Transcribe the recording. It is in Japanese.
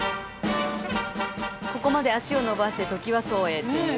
ここまで足を延ばしてトキワ荘へっていう。